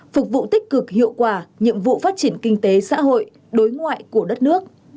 phục vụ tích cực hiệu quả nhiệm vụ phát triển kinh tế xã hội đối ngoại của đất nước